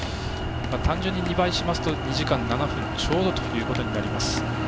単純に２倍しますと２時間７分ちょうどということになります。